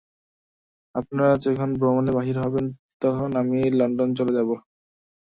আপনারা যখন ভ্রমণে বাহির হবেন, তখন আমি লণ্ডন চলে যাব।